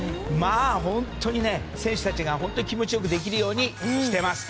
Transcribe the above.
本当に選手たちが気持ちよくできるようにしています。